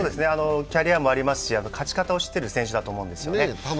キャリアもありますし勝ち方を知ってる選手だと思うんですよね。